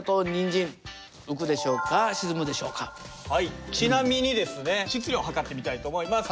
まずはちなみにですね質量量ってみたいと思います。